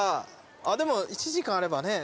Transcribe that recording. でも１時間あればね。